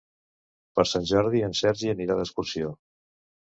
Per Sant Jordi en Sergi anirà d'excursió.